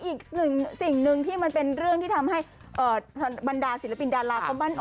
อีกสิ่งนึงที่มันเป็นเรื่องที่ทำให้บรรดาศิลปิน